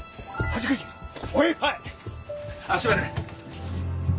あっすいません。